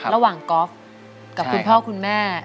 ระหว่างก๊อฟกับคุณพ่อคุณแม่